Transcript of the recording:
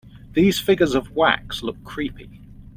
These figures of wax look creepy.